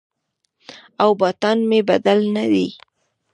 او باطن مې بدل نه دی